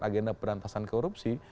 agenda berantasan korupsi